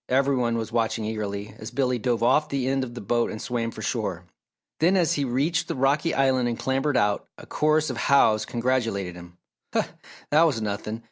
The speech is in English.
Every one was watching eagerly as Billy dove off the end of the boat and swam for shore. Then, as he reached the rocky island and clambered out, a chorus of "Hows" congratulated him. "Huh! That was nothing!